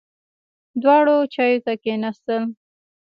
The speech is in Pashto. دواړه چایو ته کېناستل.